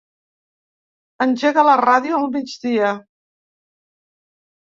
Engega la ràdio al migdia.